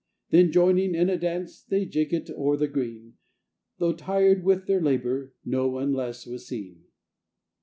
Then joining in a dance, They jig it o'er the green; Though tired with their labour, No one less was seen.